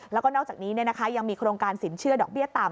แล้วก็นอกจากนี้ยังมีโครงการสินเชื่อดอกเบี้ยต่ำ